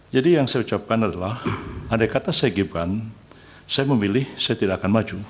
yang saya ucapkan adalah ada kata saya gibran saya memilih saya tidak akan maju